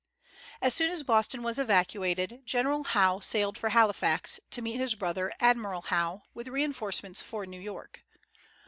As soon as Boston was evacuated General Howe sailed for Halifax, to meet his brother, Admiral Howe, with reinforcements for New York.